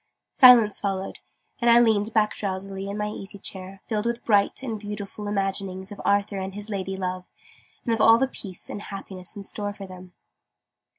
Silence followed: and I leaned back drowsily in my easy chair, filled with bright and beautiful imaginings of Arthur and his lady love, and of all the peace and happiness in store for them.